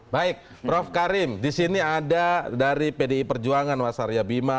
baik prof karim disini ada dari pdi perjuangan mas saraya bima